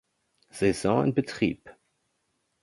Saison in Betrieb.